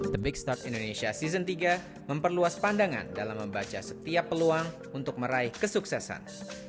the big start indonesia season tiga memperluas pandangan dalam membaca setiap peluang untuk meraih kesuksesan